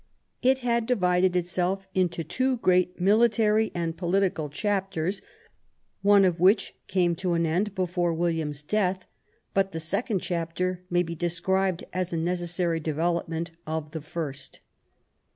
It had divided itself into two great military and political chapters, one of which came to an end before William's death, but the second chapter may be described as a necessary development of the first.